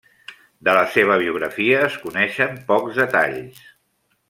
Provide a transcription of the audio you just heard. De la seva biografia es coneixen pocs detalls.